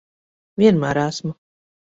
Vienmēr esmu.